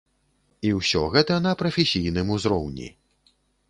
І ўсё гэта на прафесійным узроўні.